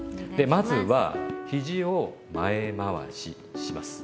まずはひじを前回しします。